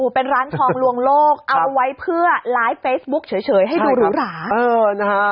เป็นร้านทองลวงโลกเอาไว้เพื่อไลฟ์เฟซบุ๊คเฉยให้ดูหรูหรา